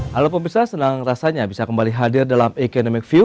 halo pemirsa senang rasanya bisa kembali hadir dalam economic view